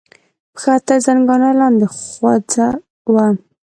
پښه تر زنګانه لاندې غوڅه وه.